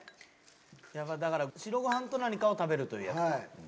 やっぱだから白ご飯と何かを食べるという。